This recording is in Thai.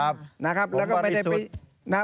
ผมบริสุทธิ์